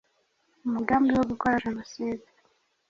umugambi wo gukora Jenoside,